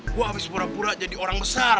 gue habis pura pura jadi orang besar